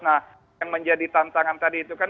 nah yang menjadi tantangan tadi itu kan